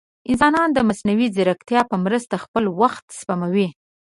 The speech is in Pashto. انسانان د مصنوعي ځیرکتیا په مرسته خپل وخت سپموي.